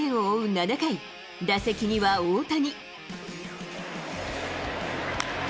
７回、打席には大谷。